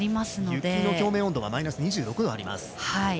雪の表面温度がマイナス２６度あります。